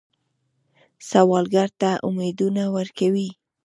سوالګر ته امیدونه ورکوئ